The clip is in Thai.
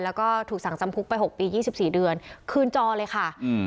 แล้วก็ถูกสั่งจำพุกไปหกปียี่สิบสี่เดือนคืนจอเลยค่ะอืม